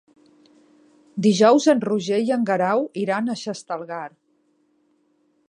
Dijous en Roger i en Guerau iran a Xestalgar.